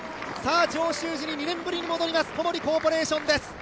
上州路に２年ぶりに戻ります小森コーポレーションです。